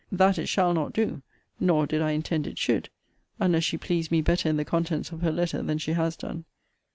That it shall not do, nor did I intend it should, unless she pleased me better in the contents of her letter than she has done.